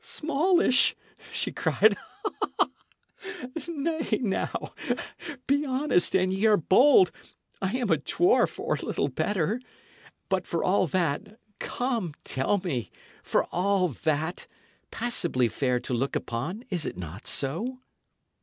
"Smallish!" she cried. "Nay, now, be honest as ye are bold; I am a dwarf, or little better; but for all that come, tell me! for all that, passably fair to look upon; is't not so?"